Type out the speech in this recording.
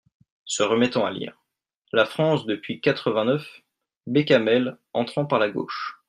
Se remettant à lire. "La France depuis quatre-vingt-neuf…" Bécamel , entrant par la gauche.